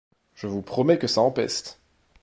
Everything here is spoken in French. Je vous promets que ça empeste !